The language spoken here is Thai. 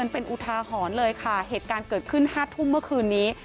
เป็นอุทาหรณ์เลยค่ะเหตุการณ์เกิดขึ้น๕ทุ่มเมื่อคืนนี้